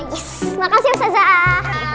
yes makasih ustazah